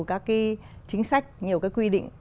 các cái chính sách nhiều cái quy định